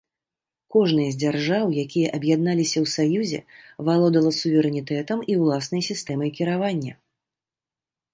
Кожнае з дзяржаў, якія аб'ядналіся ў саюзе, валодала суверэнітэтам і ўласнай сістэмай кіравання.